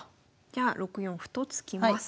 じゃあ６四歩と突きます。